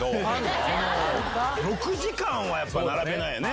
６時間はやっぱり並べないよね。